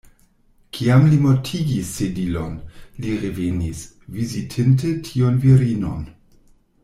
Kiam li mortigis Sedilon, li revenis, vizitinte tiun virinon.